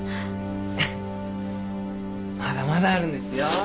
まだまだあるんですよ。